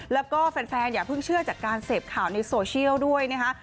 แล้วก็แฟนอย่าเพิ่งเชื่อจากการเสพข่าวในโซเชียลด้วยนะคะ